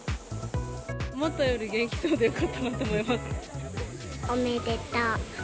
思ったより元気そうでよかっおめでとう。